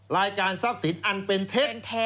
รายการทรัพย์ศิลป์อันเป็นเทศ